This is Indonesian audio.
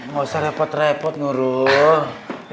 gak usah repot repot nguru